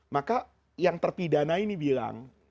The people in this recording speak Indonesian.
maka yang terpidana ini bilang